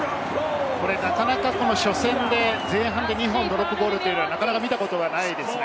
これ、なかなか初戦で、前半で２本ドロップゴールというのは見たことないですね。